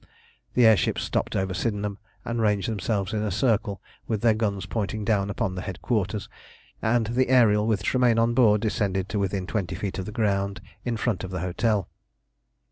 The air ships stopped over Sydenham and ranged themselves in a circle with their guns pointing down upon the headquarters, and the Ariel, with Tremayne on board, descended to within twenty feet of the ground in front of the hotel.